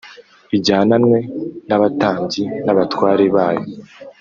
ijyananwe n abatambyi n abatware bayo